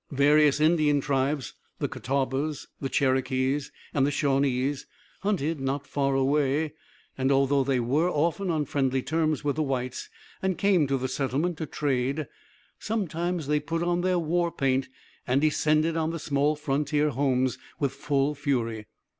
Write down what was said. Various Indian tribes, the Catawbas, the Cherokees, and the Shawnese hunted not far away, and although they were often on friendly terms with the whites, and came to the settlement to trade, sometimes they put on their war paint, and descended on the small frontier homes with full fury.